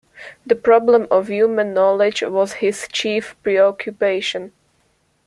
The problem of human knowledge was his chief preoccupation.